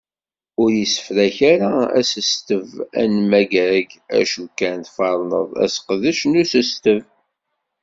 Ur issefrak ara asesteb anmeggag acu kan tferneḍ aseqdec n usesteb.